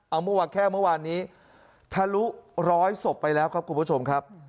เอาเมื่อวานแค่เมื่อวานนี้ทะลุร้อยศพไปแล้วครับคุณผู้ชมครับ